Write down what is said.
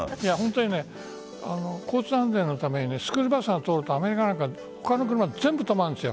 交通安全のためにスクールバスが通るとアメリカは他の車、全部止まるんです。